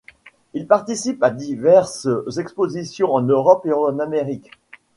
Il participe à diverses expositions en Europe et en Amérique.